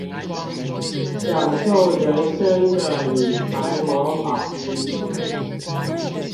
享受人生的理財魔法書